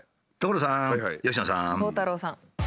鋼太郎さん。